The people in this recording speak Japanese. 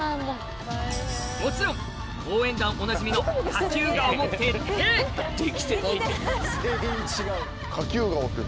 もちろん応援団おなじみの下級顔も徹底普通で。